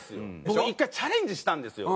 僕１回チャレンジしたんですよ。